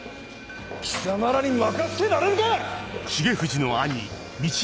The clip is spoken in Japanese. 貴様らに任せてられるか！